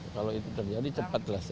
kalau itu terjadi cepat lah